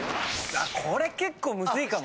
これ結構むずいかも。